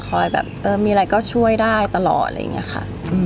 แบบเออมีอะไรก็ช่วยได้ตลอดอะไรอย่างนี้ค่ะ